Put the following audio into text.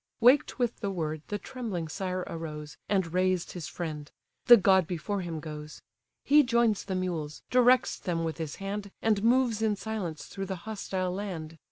Waked with the word the trembling sire arose, And raised his friend: the god before him goes: He joins the mules, directs them with his hand, And moves in silence through the hostile land.